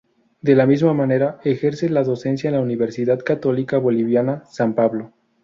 De la misma manera, ejerce la docencia en la Universidad Católica Boliviana San Pablo.